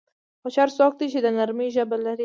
هوښیار څوک دی چې د نرمۍ ژبه لري.